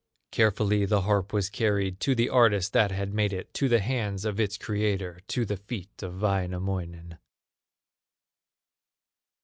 Carefully the harp was carried To the artist that had made it, To the hands of its creator, To the feet of Wainamoinen.